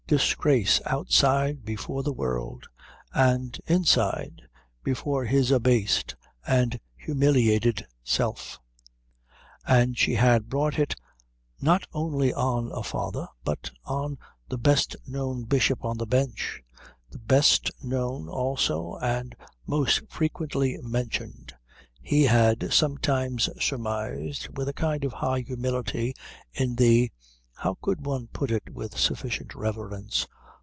Disgrace outside before the world, and inside before his abased and humiliated self. And she had brought it not only on a father, but on the best known bishop on the bench; the best known also and most frequently mentioned, he had sometimes surmised with a kind of high humility, in the how could one put it with sufficient reverence?